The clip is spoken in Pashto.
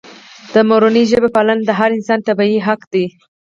د مورنۍ ژبې پالنه د هر انسان طبیعي حق دی.